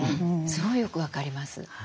すごいよく分かります。